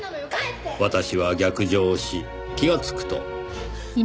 「私は逆上し気がつくと」